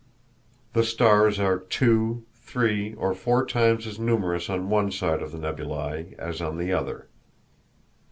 The stars are two, three, or four times as numerous on one side of the nebulæ as on the other.